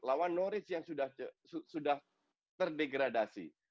lawan noridge yang sudah terdegradasi